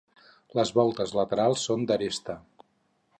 Les voltes laterals són d'aresta.